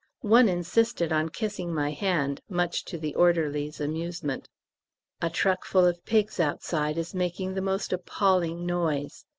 One insisted on kissing my hand, much to the orderlies' amusement. (A truckful of pigs outside is making the most appalling noise.